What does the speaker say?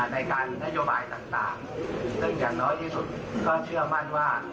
ในการนโยบายต่างซึ่งอย่างน้อยที่สุดก็เชื่อมั่นว่า